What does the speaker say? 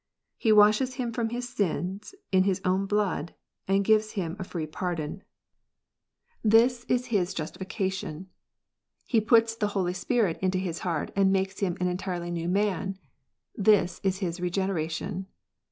He washes him from his sins in His own blood, and gives him a free pardon : this is his justifica REGENERATION. 119 tion. He puts the Holy Spirit into his heart, and makes him)| an entirely new man : this is his Regeneration.